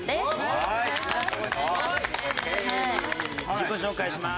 自己紹介しまーす！